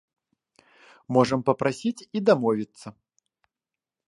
Можам папрасіць і дамовіцца.